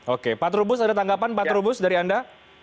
oke pak trubus ada tanggapan pak trubus dari anda